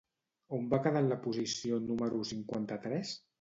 On va quedar en la posició número cinquanta-tres?